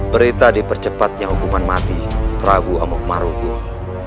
berita dipercepatnya hukuman mati prabu amok marugul